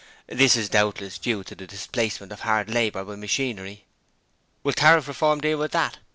This is doubtless due to the displacement of hand labour by machinery!" 'Will Tariff Reform deal with that?